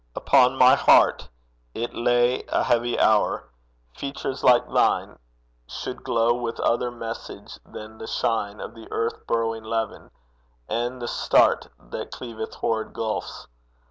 Upon my heart It lay a heavy hour: features like thine Should glow with other message than the shine Of the earth burrowing levin, and the start That cleaveth horrid gulfs.